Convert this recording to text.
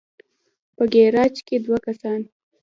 په ګراج کې دوه کسان